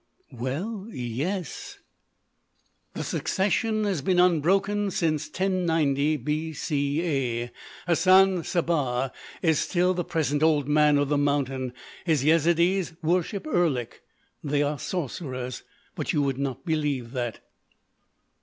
"Well, yes——" "The succession has been unbroken since 1090 B.C.A Hassan Sabbah is still the present Old Man of the Mountain. His Yezidees worship Erlik. They are sorcerers. But you would not believe that."